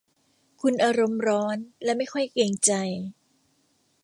คุณอารมณ์ร้อนและไม่ค่อยเกรงใจ